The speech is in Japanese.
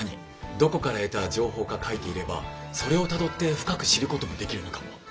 どこから得た情報か書いていればそれをたどって深く知ることもできるのかも。